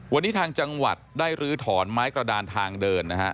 วันนี้ทางจังหวัดได้ลื้อถอนไม้กระดานทางเดินนะฮะ